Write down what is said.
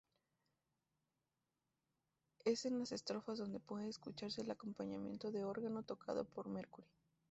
Es en las estrofas donde puede escucharse el acompañamiento de órgano, tocado por Mercury.